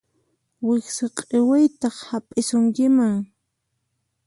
Wiksa q'iwiytaq hap'isunkiman.